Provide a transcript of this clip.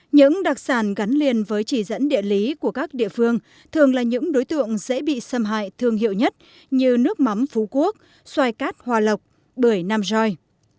những đặc sản gắn liền với chỉ dẫn địa lý của các địa phương thường là những đối tượng dễ bị xâm hại thương hiệu nhất như nước mắm phú quốc xoài cát hòa lộc bưởi nam roi